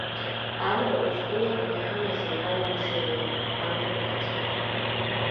Амра узгәыӷра иҳамази Ҳаламыси рыла, Амра ухаҵкы!